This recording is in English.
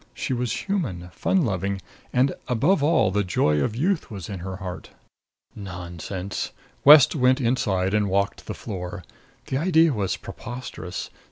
She was human, fun loving and, above all, the joy of youth was in her heart. Nonsense! West went inside and walked the floor. The idea was preposterous.